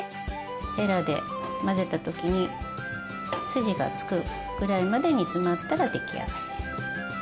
へらで混ぜた時に筋がつくぐらいまで煮つまったら出来上がりです。